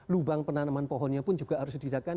lubang penanaman pohonnya pun juga harus didirikan